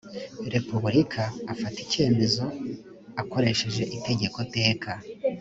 repubulika afata icyemezo akoresheje itegekoteka